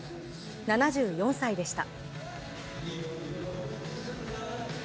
７４歳でした。